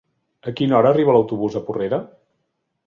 A quina hora arriba l'autobús de Porrera?